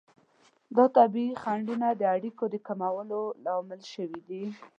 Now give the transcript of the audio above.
دا طبیعي خنډونه د اړیکو د کموالي لامل شوي دي.